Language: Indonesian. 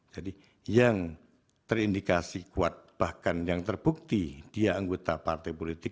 jadi yang terindikasi kuat bahkan yang terbukti dia anggota partai politik